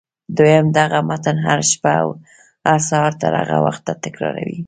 دويم دغه متن هره شپه او هر سهار تر هغه وخته تکراروئ.